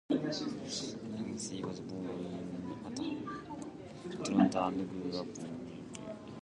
Yancey was born in Atlanta and grew up in nearby suburbs.